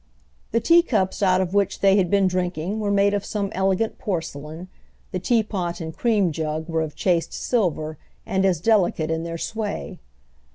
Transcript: The tea cups out of which they had been drinking were made of some elegant porcelain, the teapot and cream jug were of chased silver and as delicate in their way.